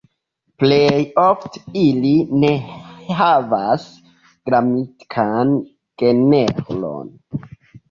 Plej ofte ili ne havas gramatikan genron.